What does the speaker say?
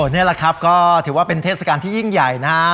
นี่แหละครับก็ถือว่าเป็นเทศกาลที่ยิ่งใหญ่นะฮะ